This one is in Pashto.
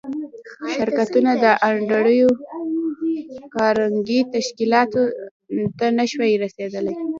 شرکتونه د انډریو کارنګي تشکیلاتو ته نشوای رسېدای